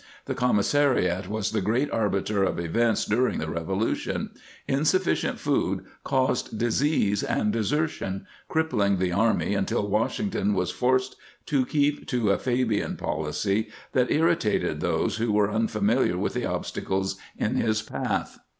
^ The commissariat was the great arbiter of events during the Revolution; insufficient food caused disease and desertion, crippling the army until Washington was forced to keep to a Fabian policy that irritated those who were unfamiliar with the obstacles in his path.